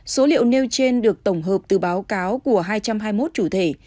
số liệu nêu trên được tổng hợp từ báo cáo của hai trăm hai mươi một chủ thể